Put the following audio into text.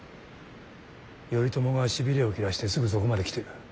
頼朝がしびれを切らしてすぐそこまで来てる。